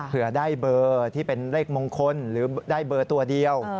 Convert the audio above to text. เผื่อได้เบอร์ที่เป็นเลขมงคลหรือได้เบอร์ตัวเดียว